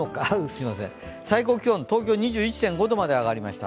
最高気温、東京は２１．５度まで上がりました。